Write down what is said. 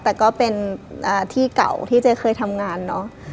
แต่ก็เป็นที่เก่าที่เจ๊เคยทำงานเนอะ